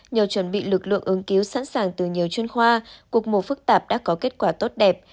nhờ chuẩn bị lực lượng ứng cứu sẵn sàng từ nhiều chuyên khoa cuộc mổ phức tạp đã có kết quả tốt đẹp